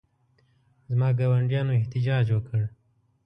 زما ګاونډیانو احتجاج وکړ.